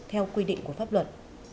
theo quy định của pháp luật